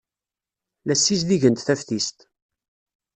La ssizdigent taftist.